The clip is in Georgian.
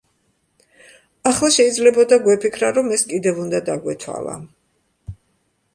ახლა შეიძლებოდა გვეფიქრა, რომ ეს კიდევ უნდა დაგვეთვალა.